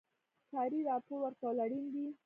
کاري راپور ورکول اړین دي